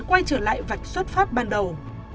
quay trở lại vạch xuất phát ban đầu